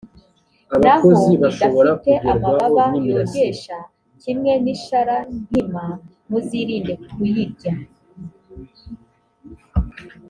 naho idafite amababa yogesha, kimwe n’isharankima, muzirinde kuyirya